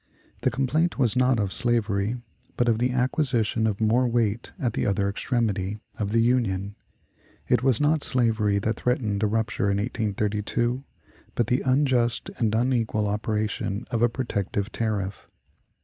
The complaint was not of slavery, but of "the acquisition of more weight at the other extremity" of the Union. It was not slavery that threatened a rupture in 1832, but the unjust and unequal operation of a protective tariff.